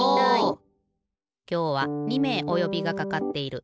きょうは２めいおよびがかかっている。